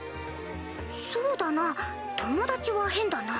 そうだな友達は変だな。